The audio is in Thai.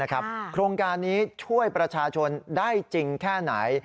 โครงการนี้ช่วยประชาชนได้จริงแค่ไหน